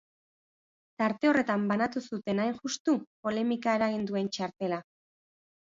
Tarte horretan banatu zuten, hain justu, polemika eragin duen txartela.